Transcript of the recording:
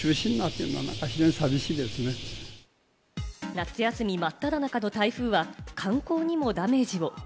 夏休み真っ只中の台風は、観光にもダメージを。